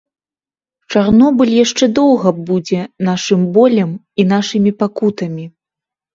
Чарнобыль яшчэ доўга будзе нашым болем і нашымі пакутамі.